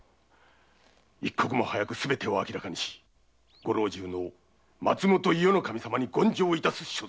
一刻も早くすべてを明らかにし御老中の松本伊予守様に言上いたす所存。